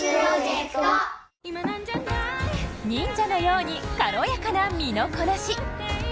忍者のように軽やかな身のこなし。